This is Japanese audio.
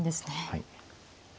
はい。